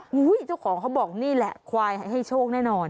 เจ้าของเขาบอกนี่แหละควายให้โชคแน่นอน